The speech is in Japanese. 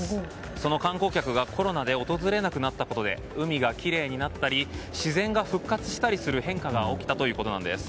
その観光客がコロナで訪れなくなったことで海がきれいになったり自然が復活したりする変化が起きたということなんです。